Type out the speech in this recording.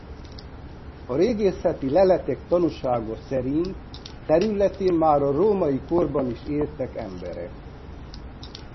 A régészeti leletek tanúsága szerint területén már a római korban is éltek emberek.